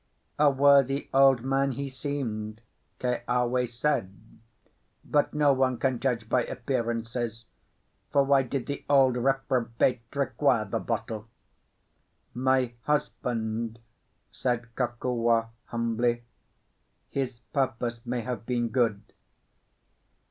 "A worthy old man he seemed," Keawe said. "But no one can judge by appearances. For why did the old reprobate require the bottle?" "My husband," said Kokua, humbly, "his purpose may have been good."